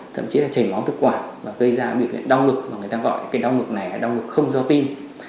thậm chí là chảy móng thực quản và gây ra biểu hiện đau ngực mà người ta gọi là đau ngực không do tin